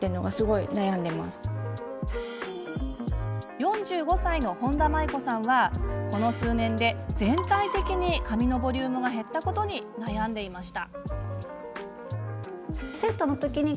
４５歳の本田真衣子さんはこの数年で全体的に髪のボリュームが減ったことに悩んでいました。